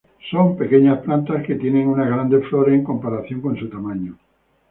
Son pequeñas plantas que tienen unas grandes flores en comparación con su tamaño.